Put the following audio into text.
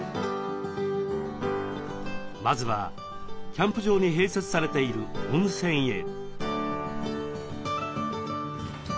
まずはキャンプ場に併設されている温泉へ。